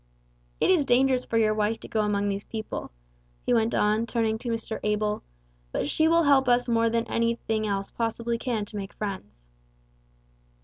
"It is dangerous for your wife to go among these people," he went on, turning to Mr. Abel, "but she will help us more than anything else possibly can to make friends."